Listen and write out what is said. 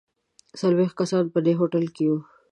څلوېښت کسان په دې هوټل کې یو.